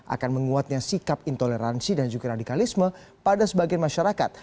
akan menguatnya sikap intoleransi dan juga radikalisme pada sebagian masyarakat